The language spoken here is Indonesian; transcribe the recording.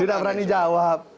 tidak berani jawab